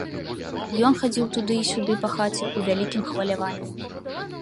Ён хадзіў туды і сюды па хаце ў вялікім хваляванні.